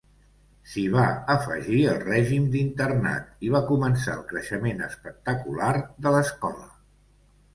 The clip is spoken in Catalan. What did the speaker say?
S'hi va afegir el règim d'internat i va començar el creixement espectacular de l'escola.